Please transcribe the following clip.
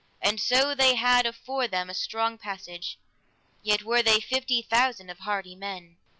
And so they had afore them a strong passage, yet were they fifty thousand of hardy men.